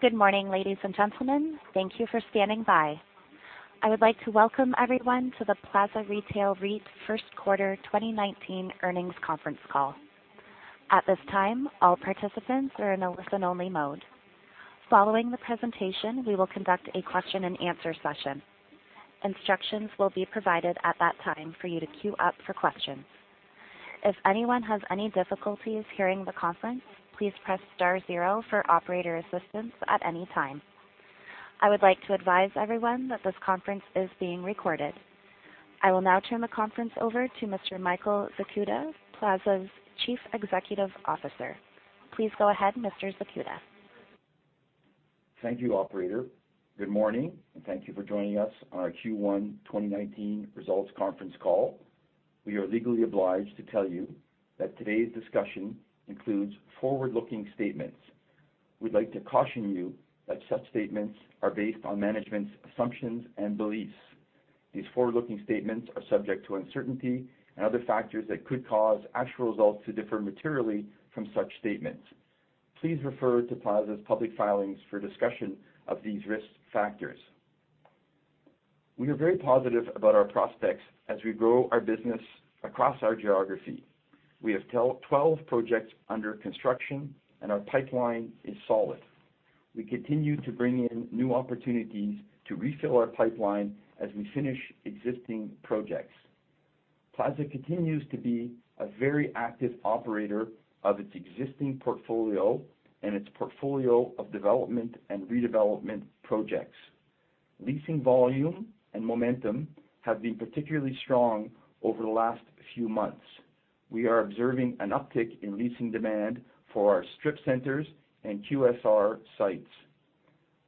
Good morning, ladies and gentlemen. Thank you for standing by. I would like to welcome everyone to the Plaza Retail REIT First Quarter 2019 Earnings Conference Call. At this time, all participants are in a listen-only mode. Following the presentation, we will conduct a question and answer session. Instructions will be provided at that time for you to queue up for questions. If anyone has any difficulties hearing the conference, please press star zero for operator assistance at any time. I would like to advise everyone that this conference is being recorded. I will now turn the conference over to Mr. Michael Zakuta, Plaza's Chief Executive Officer. Please go ahead, Mr. Zakuta. Thank you, operator. Good morning, and thank you for joining us on our Q1 2019 Results Conference Call. We are legally obliged to tell you that today's discussion includes forward-looking statements. We'd like to caution you that such statements are based on management's assumptions and beliefs. These forward-looking statements are subject to uncertainty and other factors that could cause actual results to differ materially from such statements. Please refer to Plaza's public filings for discussion of these risk factors. We are very positive about our prospects as we grow our business across our geography. We have 12 projects under construction, and our pipeline is solid. We continue to bring in new opportunities to refill our pipeline as we finish existing projects. Plaza continues to be a very active operator of its existing portfolio and its portfolio of development and redevelopment projects. Leasing volume and momentum have been particularly strong over the last few months. We are observing an uptick in leasing demand for our strip centers and QSR sites.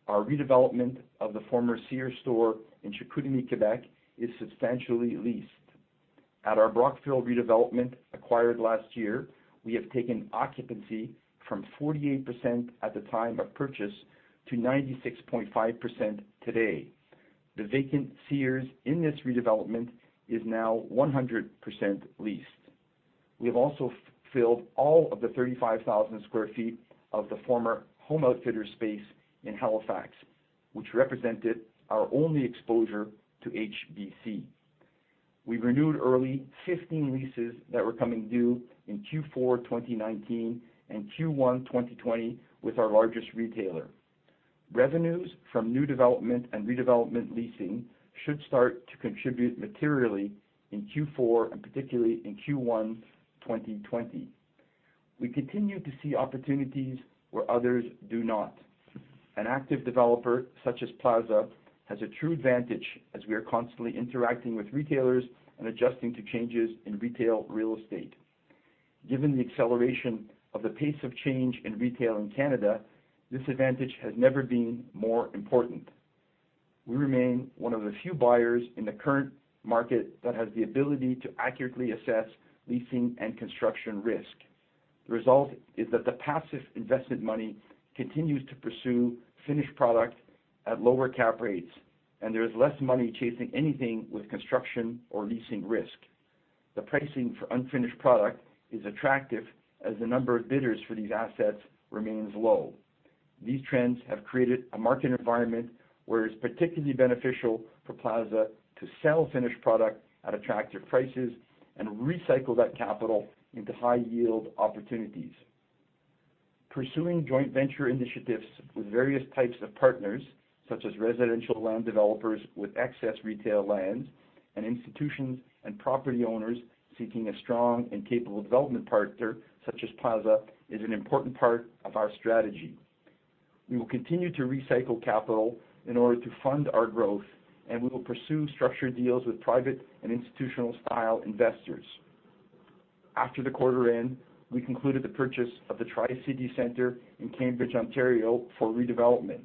Our redevelopment of the former Sears store in Chicoutimi, Quebec, is substantially leased. At our Brockville redevelopment, acquired last year, we have taken occupancy from 48% at the time of purchase to 96.5% today. The vacant Sears in this redevelopment is now 100% leased. We have also filled all of the 35,000 sq ft of the former Home Outfitters space in Halifax, which represented our only exposure to HBC. We renewed early 15 leases that were coming due in Q4 2019 and Q1 2020 with our largest retailer. Revenues from new development and redevelopment leasing should start to contribute materially in Q4 and particularly in Q1 2020. We continue to see opportunities where others do not. An active developer such as Plaza has a true advantage as we are constantly interacting with retailers and adjusting to changes in retail real estate. Given the acceleration of the pace of change in retail in Canada, this advantage has never been more important. We remain one of the few buyers in the current market that has the ability to accurately assess leasing and construction risk. The result is that the passive investment money continues to pursue finished product at lower cap rates. There is less money chasing anything with construction or leasing risk. The pricing for unfinished product is attractive as the number of bidders for these assets remains low. These trends have created a market environment where it's particularly beneficial for Plaza to sell finished product at attractive prices and recycle that capital into high-yield opportunities. Pursuing joint venture initiatives with various types of partners, such as residential land developers with excess retail land, and institutions and property owners seeking a strong and capable development partner such as Plaza, is an important part of our strategy. We will continue to recycle capital in order to fund our growth, and we will pursue structured deals with private and institutional-style investors. After the quarter end, we concluded the purchase of the Tri-City Centre in Cambridge, Ontario, for redevelopment.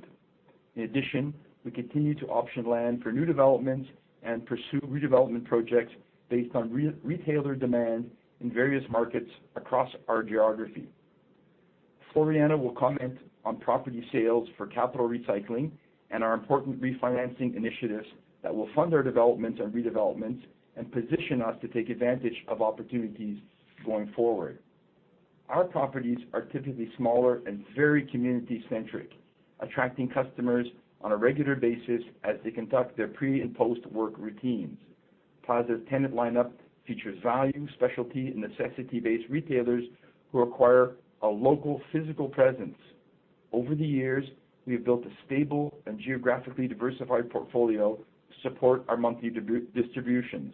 In addition, we continue to auction land for new developments and pursue redevelopment projects based on retailer demand in various markets across our geography. Floriana will comment on property sales for capital recycling and our important refinancing initiatives that will fund our developments and redevelopments and position us to take advantage of opportunities going forward. Our properties are typically smaller and very community-centric, attracting customers on a regular basis as they conduct their pre- and post-work routines. Plaza's tenant lineup features value, specialty, and necessity-based retailers who require a local physical presence. Over the years, we have built a stable and geographically diversified portfolio to support our monthly distributions.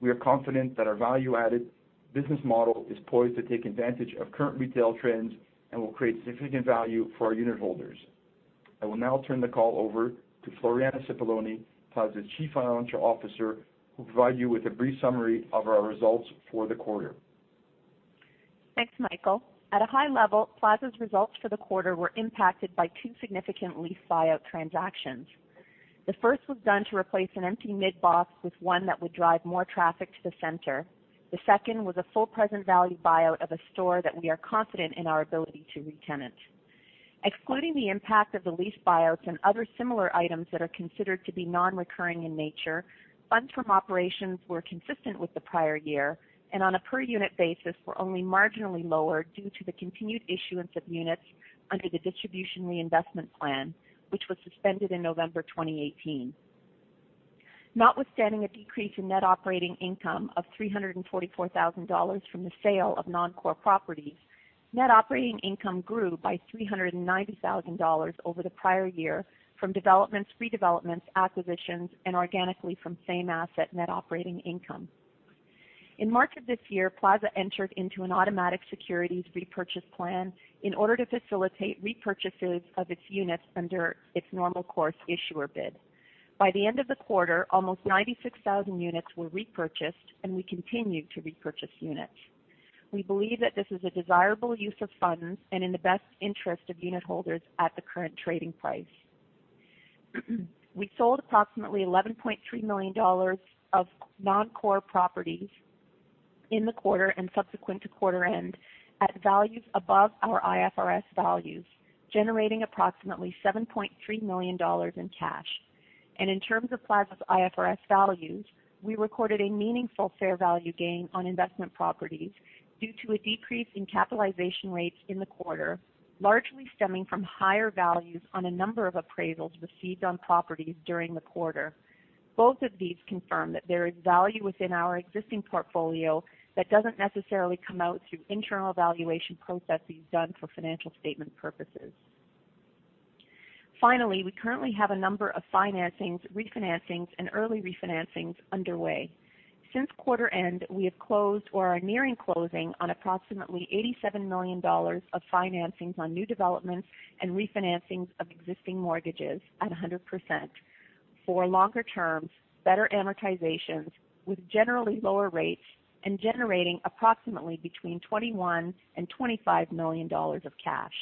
We are confident that our value-added business model is poised to take advantage of current retail trends and will create significant value for our unitholders. I will now turn the call over to Floriana Cipollone, Plaza's Chief Financial Officer, who will provide you with a brief summary of our results for the quarter. Thanks, Michael. At a high level, Plaza's results for the quarter were impacted by two significant lease buyout transactions. The first was done to replace an empty mid-box with one that would drive more traffic to the center. The second was a full present value buyout of a store that we are confident in our ability to retenant. Excluding the impact of the lease buyouts and other similar items that are considered to be non-recurring in nature, funds from operations were consistent with the prior year, and on a per-unit basis, were only marginally lower due to the continued issuance of units under the distribution reinvestment plan, which was suspended in November 2018. Notwithstanding a decrease in net operating income of 344,000 dollars from the sale of non-core properties, net operating income grew by 390,000 dollars over the prior year from developments, redevelopments, acquisitions, and organically from same asset net operating income. In March of this year, Plaza entered into an automatic securities repurchase plan in order to facilitate repurchases of its units under its normal course issuer bid. By the end of the quarter, almost 96,000 units were repurchased, and we continue to repurchase units. We believe that this is a desirable use of funds and in the best interest of unitholders at the current trading price. We sold approximately 11.3 million dollars of non-core properties in the quarter and subsequent to quarter end at values above our IFRS values, generating approximately 7.3 million dollars in cash. In terms of Plaza's IFRS values, we recorded a meaningful fair value gain on investment properties due to a decrease in capitalization rates in the quarter, largely stemming from higher values on a number of appraisals received on properties during the quarter. Both of these confirm that there is value within our existing portfolio that doesn't necessarily come out through internal valuation processes done for financial statement purposes. Finally, we currently have a number of financings, refinancings, and early refinancings underway. Since quarter end, we have closed or are nearing closing on approximately 87 million dollars of financings on new developments and refinancing of existing mortgages at 100% for longer terms, better amortizations with generally lower rates and generating approximately between 21 million and 25 million dollars of cash.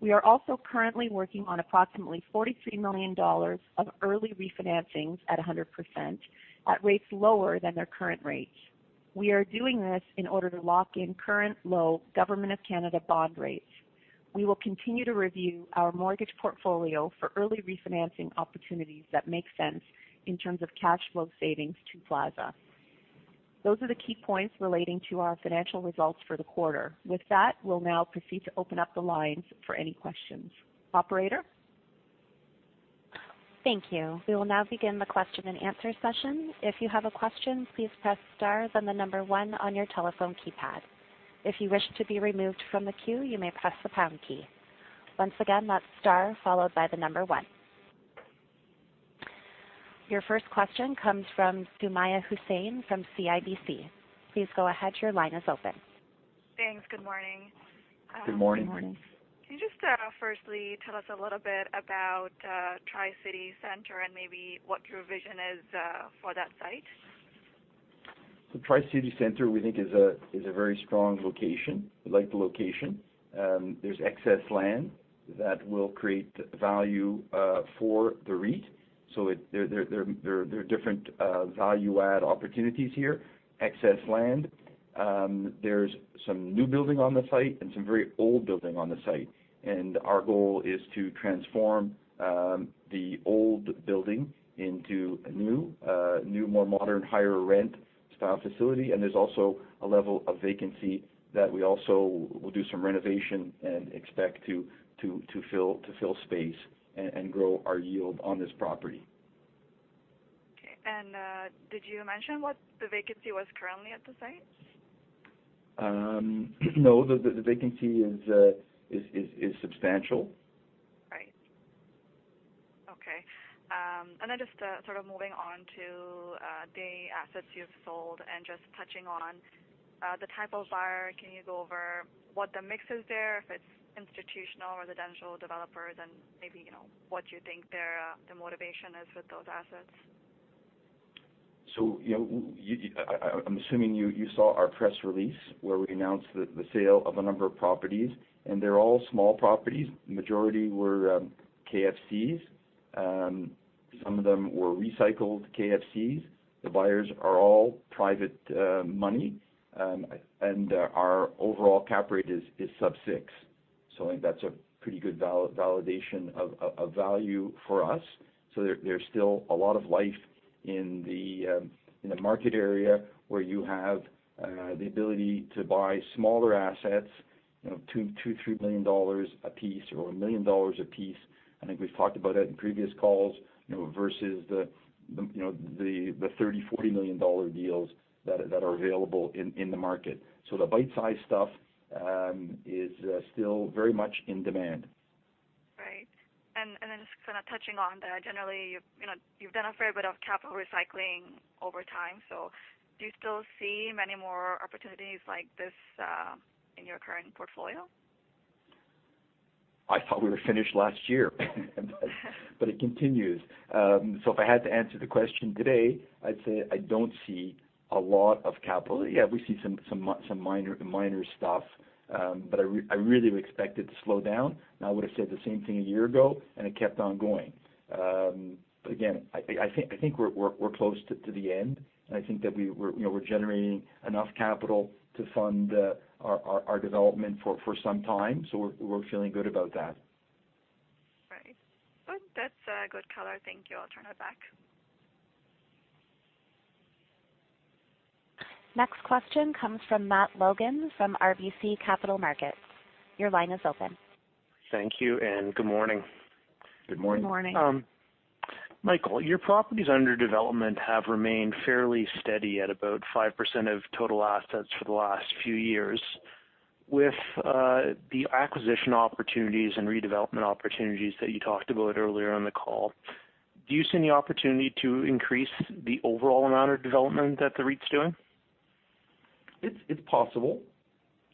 We are also currently working on approximately 43 million dollars of early refinancing at 100% at rates lower than their current rates. We are doing this in order to lock in current low Government of Canada bond rates. We will continue to review our mortgage portfolio for early refinancing opportunities that make sense in terms of cash flow savings to Plaza. Those are the key points relating to our financial results for the quarter. With that, we'll now proceed to open up the lines for any questions. Operator? Thank you. We will now begin the question and answer session. If you have a question, please press star then the number one on your telephone keypad. If you wish to be removed from the queue, you may press the pound key. Once again, that's star followed by the number one. Your first question comes from Sumaiya Hussain from CIBC. Please go ahead, your line is open. Thanks. Good morning. Good morning. Can you just firstly tell us a little bit about Tri-City Centre and maybe what your vision is for that site? Tri-City Centre, we think is a very strong location, like the location. There is excess land that will create value for the REIT. There are different value add opportunities here, excess land. There is some new building on the site and some very old building on the site. Our goal is to transform the old building into a new, more modern, higher rent style facility. There is also a level of vacancy that we also will do some renovation and expect to fill space and grow our yield on this property. Okay. Did you mention what the vacancy was currently at the site? No, the vacancy is substantial. Right. Okay. Just sort of moving on to the assets you've sold and just touching on the type of buyer. Can you go over what the mix is there, if it's institutional, residential, developer, maybe, what you think their motivation is with those assets? I'm assuming you saw our press release where we announced the sale of a number of properties, they're all small properties. Majority were KFCs, some of them were recycled KFCs. The buyers are all private money. Our overall cap rate is sub six. I think that's a pretty good validation of value for us. There's still a lot of life in the market area where you have the ability to buy smaller assets, 2 million to 3 million dollars a piece or 1 million dollars a piece. I think we've talked about that in previous calls, versus the 30 million, 40 million dollar deals that are available in the market. The bite-size stuff is still very much in demand. Right. Just kind of touching on that, generally, you've done a fair bit of capital recycling over time. Do you still see many more opportunities like this, in your current portfolio? I thought we were finished last year, but it continues. If I had to answer the question today, I'd say I don't see a lot of capital. Yeah, we see some minor stuff. I really expected it to slow down, and I would've said the same thing a year ago, and it kept on going. Again, I think we're close to the end, and I think that we're generating enough capital to fund our development for some time. We're feeling good about that. Right. Well, that's a good color. Thank you. I'll turn it back. Next question comes from Matt Logan, from RBC Capital Markets. Your line is open. Thank you. Good morning. Good morning. Good morning. Michael, your properties under development have remained fairly steady at about 5% of total assets for the last few years. With the acquisition opportunities and redevelopment opportunities that you talked about earlier on the call, do you see any opportunity to increase the overall amount of development that the REIT's doing? It's possible.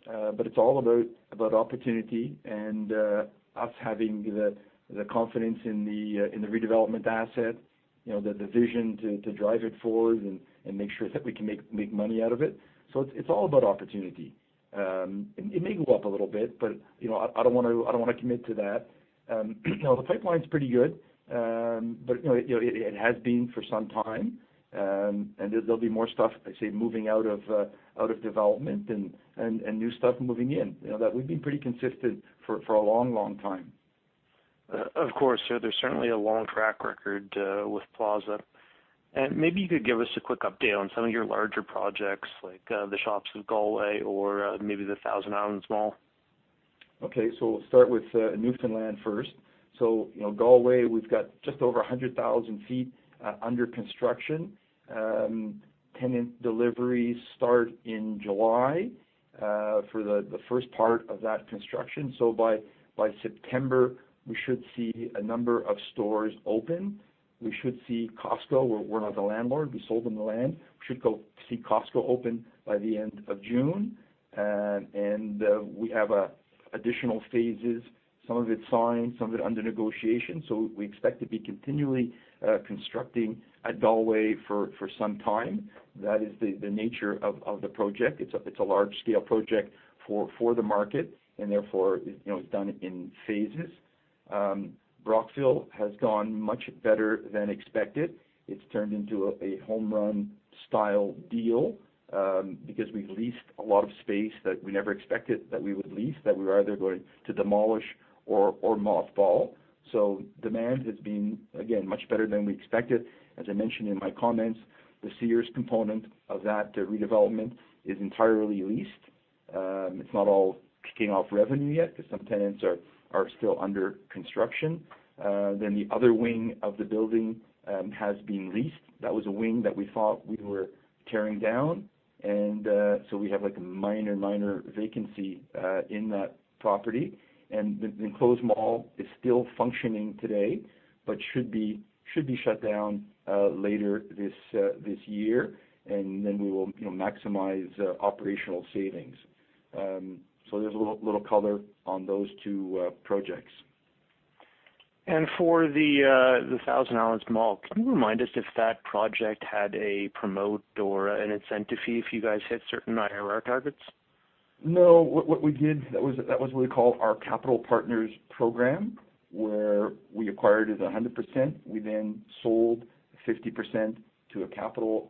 It's all about opportunity and us having the confidence in the redevelopment asset, the vision to drive it forward and make sure that we can make money out of it. It's all about opportunity. It may go up a little bit, but I don't want to commit to that. The pipeline's pretty good. It has been for some time. There'll be more stuff, I say, moving out of development and new stuff moving in. That we've been pretty consistent for a long time. Of course, sir. There's certainly a long track record with Plaza. Maybe you could give us a quick update on some of your larger projects, like the Shops at Galway or the Thousand Islands Mall. Okay. We'll start with Newfoundland first. Galway, we've got just over 100,000 feet under construction. Tenant deliveries start in July, for the first part of that construction. By September, we should see a number of stores open. We should see Costco, we're not the landlord, we sold them the land. We should see Costco open by the end of June. We have additional phases. Some of it's signed, some of it under negotiation. We expect to be continually constructing at Galway for some time. That is the nature of the project. It's a large-scale project for the market and therefore, it's done in phases. Brockville has gone much better than expected. It's turned into a home-run style deal, because we leased a lot of space that we never expected that we would lease, that we were either going to demolish or mothball. Demand has been, again, much better than we expected. As I mentioned in my comments, the Sears component of that redevelopment is entirely leased. It's not all kicking off revenue yet, because some tenants are still under construction. The other wing of the building has been leased. That was a wing that we thought we were tearing down. We have a minor vacancy, in that property. The enclosed mall is still functioning today, but should be shut down later this year. We will maximize operational savings. There's a little color on those two projects. For the Thousand Islands Mall, can you remind us if that project had a promote or an incentive fee if you guys hit certain IRR targets? No. What we did, that was what we call our capital partners program, where we acquired it 100%. We sold 50% to a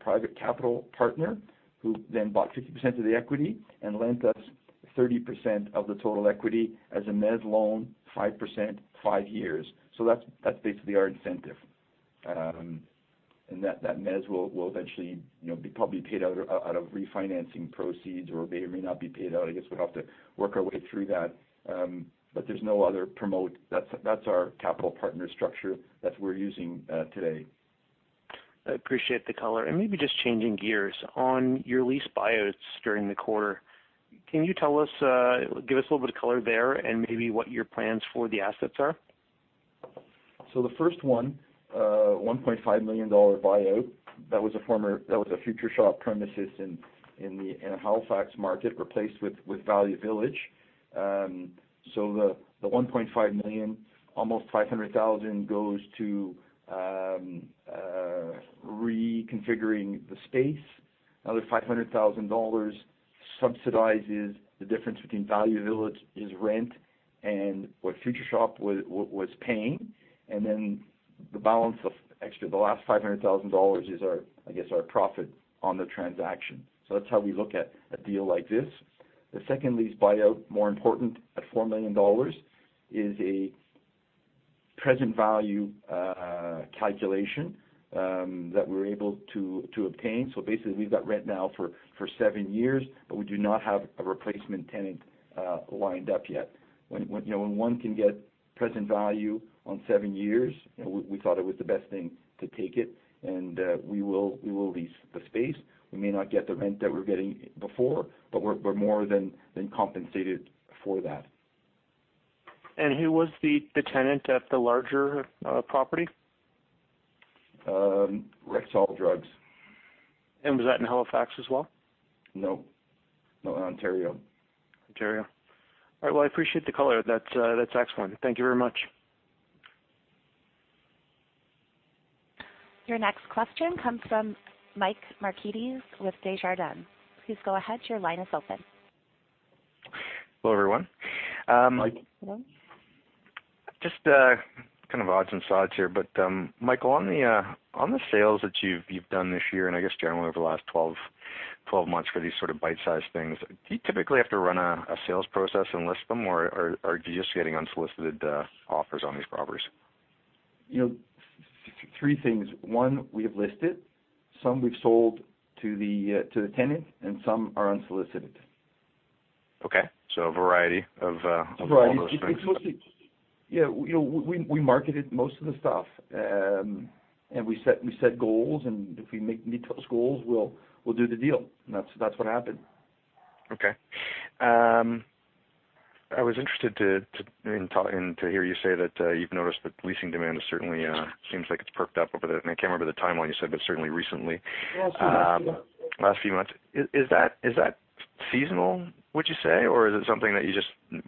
private capital partner, who then bought 50% of the equity and lent us 30% of the total equity as a mezzanine loan, 5%, five years. That's basically our incentive. That mezz will eventually probably be paid out of refinancing proceeds or may or may not be paid out. I guess we'll have to work our way through that. There's no other promote. That's our capital partner structure that we're using today. I appreciate the color. Maybe just changing gears. On your lease buyouts during the quarter, can you give us a little bit of color there and maybe what your plans for the assets are? The first one, 1.5 million dollar buyout, that was a Future Shop premises in the Halifax market replaced with Value Village. The 1.5 million, almost 500,000 goes to reconfiguring the space. Another 500,000 dollars subsidizes the difference between Value Village's rent and what Future Shop was paying. The balance of the last 500,000 dollars is, I guess, our profit on the transaction. That's how we look at a deal like this. The second lease buyout, more important, at 4 million dollars, is a present value calculation, that we were able to obtain. Basically, we've got rent now for seven years, but we do not have a replacement tenant lined up yet. When one can get present value on seven years, we thought it was the best thing to take it, and we will lease the space. We may not get the rent that we're getting before, but we're more than compensated for that. Who was the tenant at the larger property? Rexall Drugs. Was that in Halifax as well? No. In Ontario. Ontario. All right. Well, I appreciate the color. That's excellent. Thank you very much. Your next question comes from Mike Markides with Desjardins. Please go ahead, your line is open. Hello, everyone. Mike. Hello. Just kind of odds and sods here. Michael, on the sales that you've done this year, and I guess generally over the last 12 months for these sort of bite-sized things, do you typically have to run a sales process and list them, or are you just getting unsolicited offers on these properties? Three things. One, we have listed, some we've sold to the tenant, and some are unsolicited. Okay. A variety of- A variety. We marketed most of the stuff, and we set goals, and if we meet those goals, we'll do the deal. That's what happened. Okay. I was interested to hear you say that you've noticed that leasing demand is certainly, seems like it's perked up over the, and I can't remember the timeline you said, but certainly recently. Last few months, yeah. Last few months. Is that seasonal, would you say? Or is it something that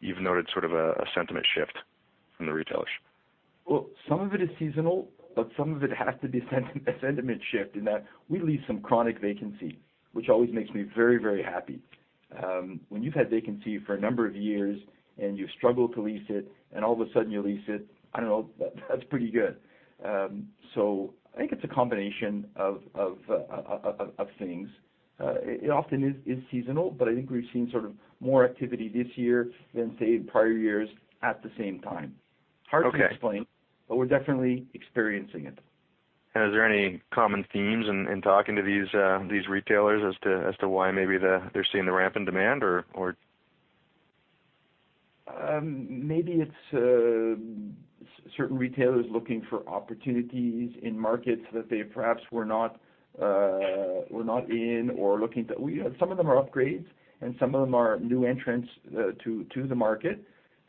you've noted sort of a sentiment shift from the retailers? Well, some of it is seasonal, but some of it has to be a sentiment shift, in that we lease some chronic vacancy, which always makes me very happy. When you've had vacancy for a number of years and you struggle to lease it, and all of a sudden you lease it. I don't know, that's pretty good. I think it's a combination of things. It often is seasonal, but I think we've seen sort of more activity this year than, say, prior years at the same time. Okay. Hard to explain, but we're definitely experiencing it. Is there any common themes in talking to these retailers as to why maybe they're seeing the ramp in demand or? Maybe it's certain retailers looking for opportunities in markets that they perhaps were not in or looking to. Some of them are upgrades and some of them are new entrants to the market.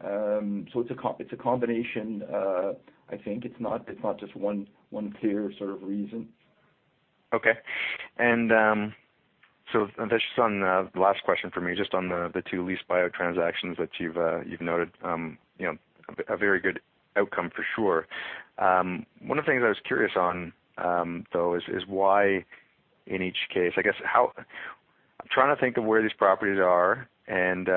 It's a combination, I think. It's not just one clear sort of reason. Okay. This is on the last question for me, just on the two lease buyout transactions that you've noted a very good outcome for sure. One of the things I was curious on, though, is why in each case, I guess how I'm trying to think of where these properties are and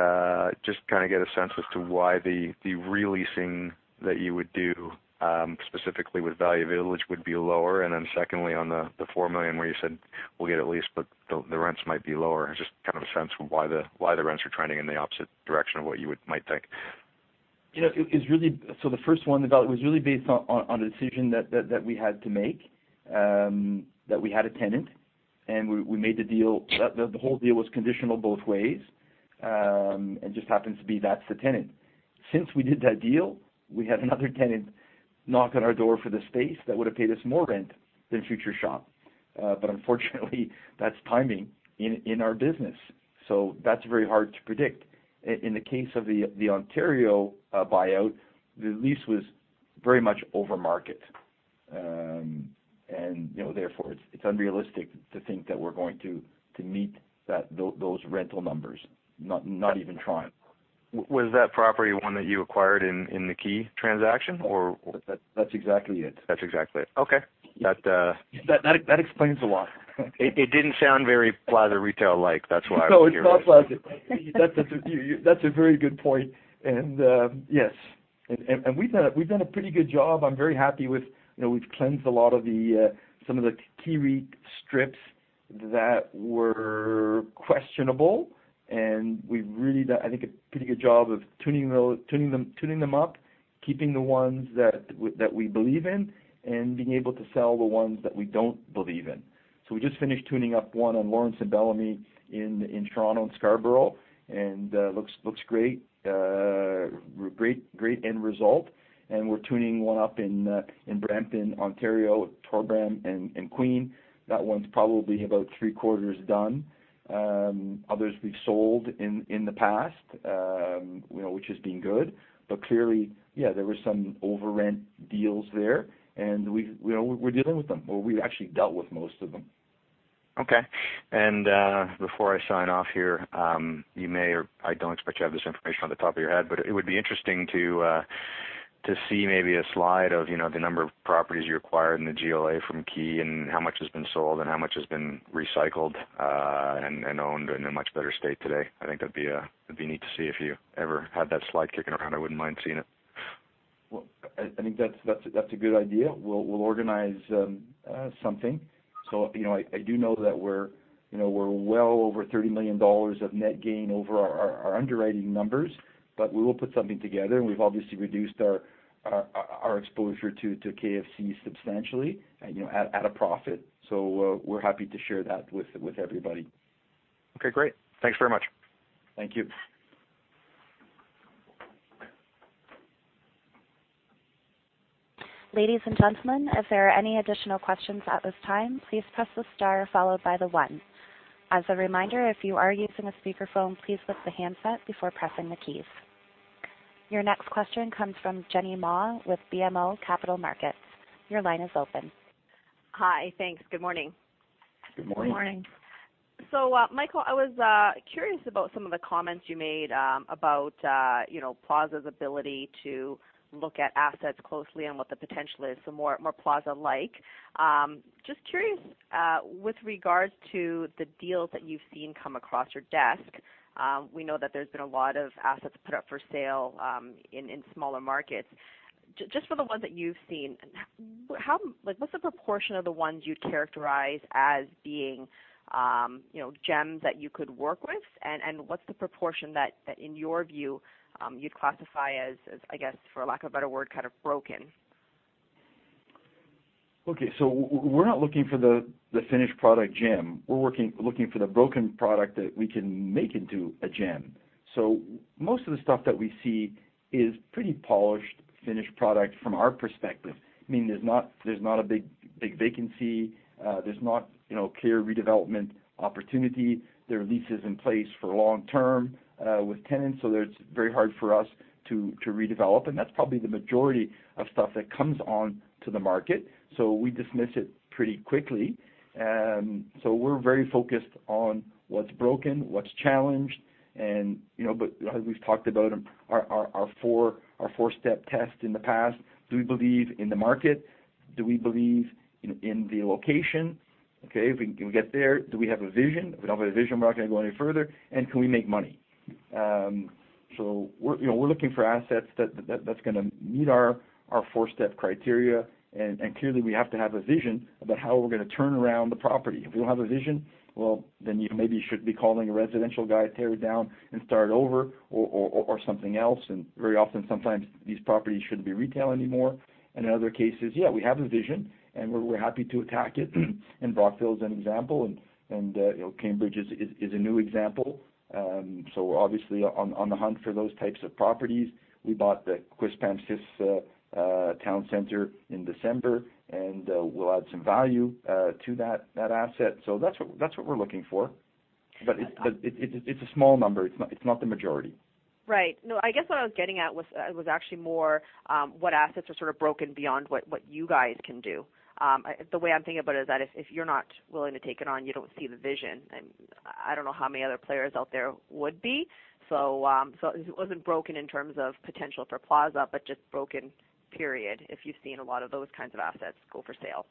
just trying to get a sense as to why the re-leasing that you would do, specifically with Value Village, would be lower. Secondly, on the 4 million where you said we'll get a lease, but the rents might be lower. Just kind of a sense why the rents are trending in the opposite direction of what you might think. The first one, the value, was really based on a decision that we had to make, that we had a tenant, and we made the deal. The whole deal was conditional both ways. It just happens to be that's the tenant. Since we did that deal, we had another tenant knock on our door for the space that would've paid us more rent than Future Shop. Unfortunately, that's timing in our business. That's very hard to predict. In the case of the Ontario buyout, the lease was very much over market. It's unrealistic to think that we're going to meet those rental numbers, not even trying. Was that property one that you acquired in the KEYreit transaction or? That's exactly it. That's exactly it. Okay. That explains a lot. It didn't sound very Plaza Retail-like, that's why I was curious. No, it's not Plaza. Yes. We've done a pretty good job. I'm very happy. We've cleansed a lot of some of the KEYreit strips that were questionable. We've really done, I think, a pretty good job of tuning them up, keeping the ones that we believe in, being able to sell the ones that we don't believe in. We just finished tuning up one on Lawrence and Bellamy in Toronto and Scarborough. Looks great. Great end result. We're tuning one up in Brampton, Ontario, at Torbram and Queen. That one's probably about three-quarters done. Others we've sold in the past, which has been good. Clearly, yeah, there were some over-rent deals there, and we're dealing with them, or we've actually dealt with most of them. Okay. Before I sign off here, you may, or I don't expect you have this information off the top of your head, but it would be interesting to see maybe a slide of the number of properties you acquired in the GLA from KEYreit and how much has been sold and how much has been recycled, and owned in a much better state today. I think that'd be neat to see. If you ever had that slide kicking around, I wouldn't mind seeing it. Well, I think that's a good idea. We'll organize something. I do know that we're well over 30 million dollars of net gain over our underwriting numbers. We will put something together. We've obviously reduced our exposure to KFC substantially at a profit. We're happy to share that with everybody. Okay, great. Thanks very much. Thank you. Ladies and gentlemen, if there are any additional questions at this time, please press the star followed by the one. As a reminder, if you are using a speakerphone, please lift the handset before pressing the keys. Your next question comes from Jenny Ma with BMO Capital Markets. Your line is open. Hi. Thanks. Good morning. Good morning. Morning. Michael, I was curious about some of the comments you made about Plaza's ability to look at assets closely and what the potential is for more Plaza-like. Curious, with regards to the deals that you've seen come across your desk, we know that there's been a lot of assets put up for sale in smaller markets. For the ones that you've seen. What's the proportion of the ones you'd characterize as being gems that you could work with, and what's the proportion that, in your view, you'd classify as, I guess, for lack of a better word, kind of broken? We're not looking for the finished product gem. We're looking for the broken product that we can make into a gem. Most of the stuff that we see is pretty polished, finished product from our perspective, meaning there's not a big vacancy, there's not clear redevelopment opportunity. There are leases in place for long-term, with tenants, so it's very hard for us to redevelop. That's probably the majority of stuff that comes onto the market. We dismiss it pretty quickly. We're very focused on what's broken, what's challenged, but as we've talked about our 4-step test in the past, do we believe in the market? Do we believe in the location? If we can get there, do we have a vision? If we don't have a vision, we're not going to go any further. Can we make money? We're looking for assets that's going to meet our 4-step criteria. Clearly, we have to have a vision about how we're going to turn around the property. If we don't have a vision, well, then maybe you should be calling a residential guy, tear it down and start over or something else. Very often, sometimes these properties shouldn't be retail anymore. In other cases, yeah, we have a vision, and we're happy to attack it. Brockville is an example, and Cambridge is a new example. We're obviously on the hunt for those types of properties. We bought the Quispamsis Town Centre in December, and we'll add some value to that asset. That's what we're looking for. It's a small number. It's not the majority. Right. No, I guess what I was getting at was actually more what assets are sort of broken beyond what you guys can do. The way I'm thinking about it is that if you're not willing to take it on, you don't see the vision, and I don't know how many other players out there would be. It wasn't broken in terms of potential for Plaza, but just broken, period, if you've seen a lot of those kinds of assets go for sale.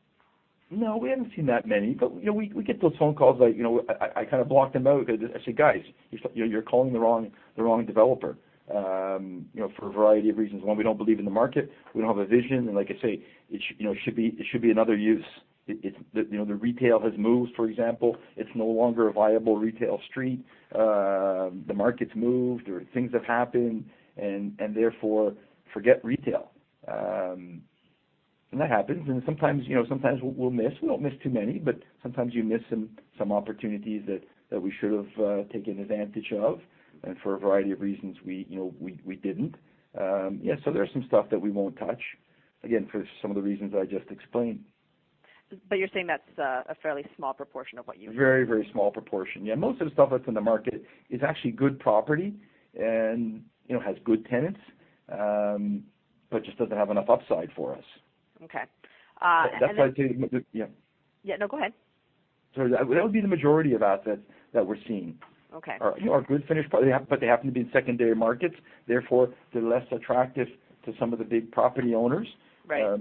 No, we haven't seen that many, but we get those phone calls. I kind of block them out because I say, "Guys, you're calling the wrong developer," for a variety of reasons. One, we don't believe in the market. We don't have a vision. Like I say, it should be another use. The retail has moved, for example. It's no longer a viable retail street. The market's moved or things have happened, and therefore, forget retail. That happens, and sometimes we'll miss. We don't miss too many, but sometimes you miss some opportunities that we should have taken advantage of. For a variety of reasons, we didn't. Yeah, there's some stuff that we won't touch, again, for some of the reasons I just explained. You're saying that's a fairly small proportion of what you- Very small proportion. Yeah. Most of the stuff that's in the market is actually good property and has good tenants, but just doesn't have enough upside for us. Okay. That's why I say Yeah. Yeah, no, go ahead. That would be the majority of assets that we're seeing. Okay. Are good finished product, but they happen to be in secondary markets, therefore they're less attractive to some of the big property owners. Right.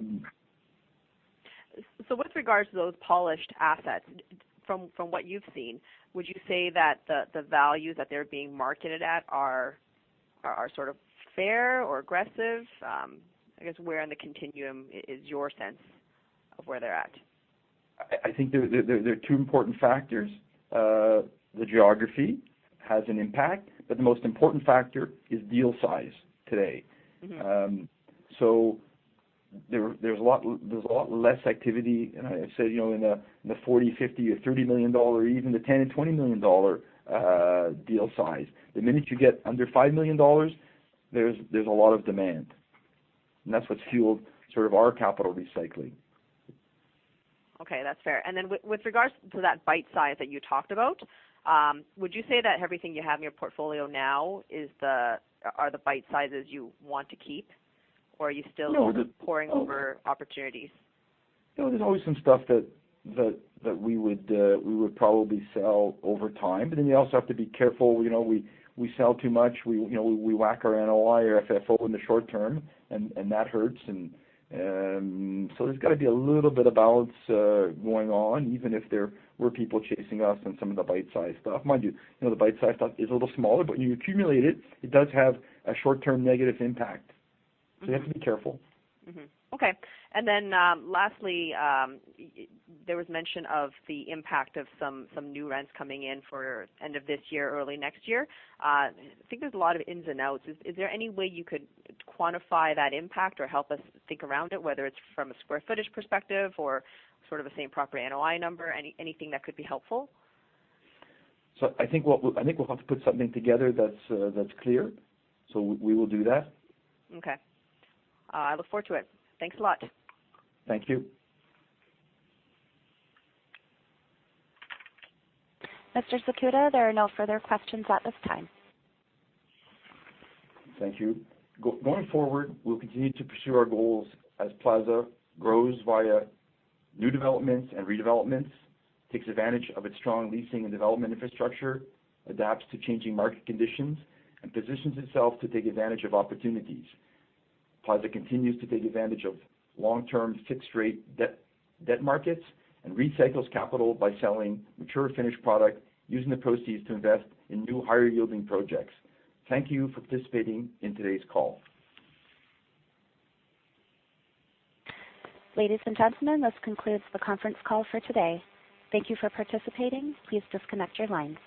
With regards to those polished assets, from what you've seen, would you say that the values that they're being marketed at are sort of fair or aggressive? I guess where on the continuum is your sense of where they're at? I think there are two important factors. The geography has an impact, but the most important factor is deal size today. There's a lot less activity, and I said in the 40 million, 50 million or 30 million dollar, even the 10 million and 20 million dollar deal size. The minute you get under 5 million dollars, there's a lot of demand. That's what's fueled sort of our capital recycling. Okay. That's fair. With regards to that bite size that you talked about, would you say that everything you have in your portfolio now are the bite sizes you want to keep? Or are you still- No. poring over opportunities? No, there's always some stuff that we would probably sell over time. You also have to be careful. We sell too much, we whack our NOI or FFO in the short term, and that hurts. There's got to be a little bit of balance going on, even if there were people chasing us on some of the bite-size stuff. Mind you, the bite-size stuff is a little smaller, but you accumulate it does have a short-term negative impact. You have to be careful. Okay. Lastly, there was mention of the impact of some new rents coming in for end of this year, early next year. I think there's a lot of ins and outs. Is there any way you could quantify that impact or help us think around it, whether it's from a square footage perspective or sort of a same property NOI number, anything that could be helpful? I think we'll have to put something together that's clear. We will do that. Okay. I look forward to it. Thanks a lot. Thank you. Mr. Zakuta, there are no further questions at this time. Thank you. Going forward, we'll continue to pursue our goals as Plaza grows via new developments and redevelopments, takes advantage of its strong leasing and development infrastructure, adapts to changing market conditions, and positions itself to take advantage of opportunities. Plaza continues to take advantage of long-term fixed rate debt markets and recycles capital by selling mature, finished product using the proceeds to invest in new, higher-yielding projects. Thank you for participating in today's call. Ladies and gentlemen, this concludes the conference call for today. Thank you for participating. Please disconnect your lines.